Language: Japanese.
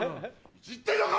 いじってんのか！